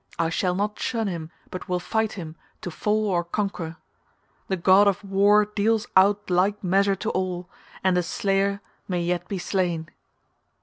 I shall not shun him, but will fight him, to fall or conquer. The god of war deals out like measure to all, and the slayer may yet be slain."